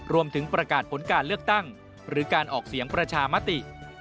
รวมถึงประกาศผลการเลือกตั้งหรือการออกเสียงประชามติ